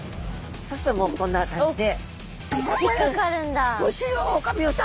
そうするともうこんな感じで。